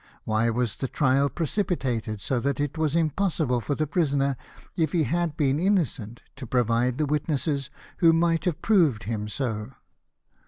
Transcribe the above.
Why was the trial precipitated so that it was impossible for the prisoner, if he had been innocent, to provide the wit nesses who might have proved him so